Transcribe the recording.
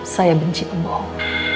saya benci pembohong